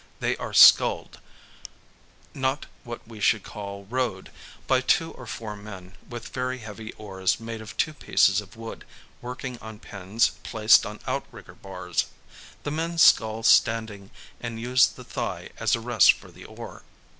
They are sculled, not what we should call rowed, by two or four men with very heavy oars made of two pieces of wood working on pins placed on outrigger bars. The men scull standing and use the thigh as a rest for the oar.